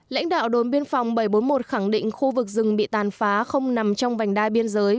lãnh đạo đồn biên phòng bảy trăm bốn mươi một khẳng định khu vực rừng bị tàn phá không nằm trong vành đai biên giới